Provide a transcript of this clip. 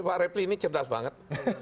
pak repli ini cerdas banget